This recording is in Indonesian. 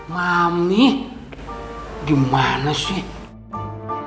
sampai yang pak komar yang harus tanggung jawab